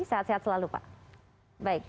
sehat sehat selalu pak